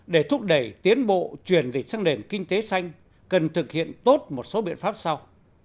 để thúc đẩy tiến bộ chuyển dịch sang nền kinh tế xanh cần thực hiện tốt một số biện pháp sau